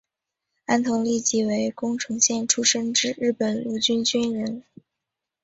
安藤利吉为宫城县出身之日本陆军军人。